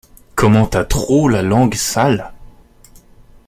Comment t'as trop la langue sale.